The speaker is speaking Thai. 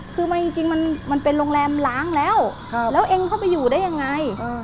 คือจริงมันเป็นโรงแรมล้างแล้วแล้วเองเข้าไปอยู่ได้ยังไง